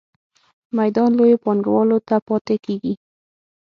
میدان لویو پانګوالو ته پاتې کیږي.